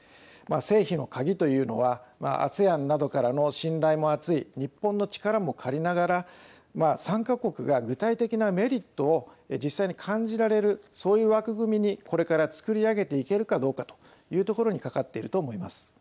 成否の鍵というのはＡＳＥＡＮなどからの信頼も厚い日本の力も借りながら参加国が具体的なメリットを実際に感じられるそういう枠組みにこれからつくり上げていけるかどうかというところにはい。